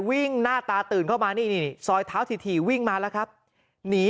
หน้าตาตื่นเข้ามานี่นี่ซอยเท้าถี่วิ่งมาแล้วครับหนี